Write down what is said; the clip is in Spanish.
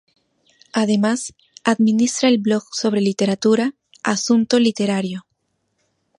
Además, administra el blog sobre literatura "Asunto Literario".